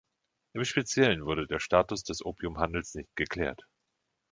Im Speziellen wurde der Status des Opiumhandels nicht geklärt.